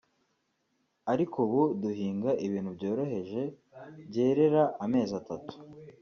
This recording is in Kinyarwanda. ariko ubu duhinga ibintu byoroheje byerera amezi atatu